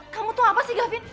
kamu tuh apa sih gavin